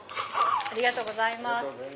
ありがとうございます。